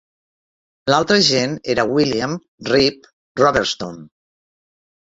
L'altre agent era William "Rip" Robertson.